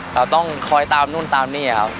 เราต้องคอยตามนู่นตามนี่ครับ